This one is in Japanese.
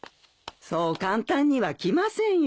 そう簡単には来ませんよ。